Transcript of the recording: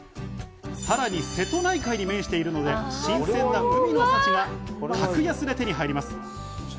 さらに瀬戸内海に面しているので新鮮な海の幸が格安で手に入ります。